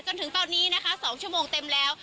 จนถึงตอนนี้นะคะ๒ชั่วโมงเต็มแล้ว